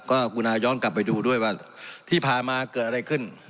ก็กุณาย้อนกลับไปดูด้วยว่าที่ผ่านมาเกิดอะไรขึ้น